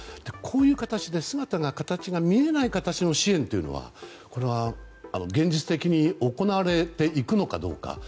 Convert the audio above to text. こういう形で姿かたちが見えない形での支援というのはこれは現実的に行われていくのかどうか。